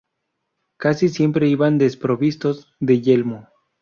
Casi siempre iban desprovistos de yelmo.